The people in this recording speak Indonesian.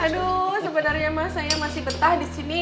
aduh sebenarnya mah saya masih betah disini